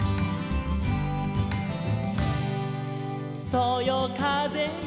「そよかぜよ